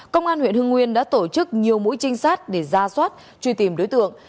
công an huyện hưng nguyên đã tổ chức nhiều mũi trinh sát để ra soát truy tìm đối tượng